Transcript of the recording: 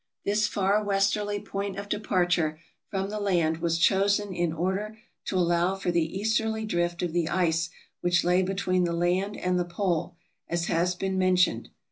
This far westerly point of departure from the land was chosen in order to allow for the easterly drift of the ice which lay between the land and the pole, as has been mentioned.